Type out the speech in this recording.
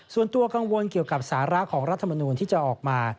ส่วนตัวกังวลเกี่ยวกับสาระของรัฐมนูลที่จะออกมา